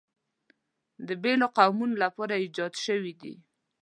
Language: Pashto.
د بېلو قومونو لپاره ایجاد شوي دي.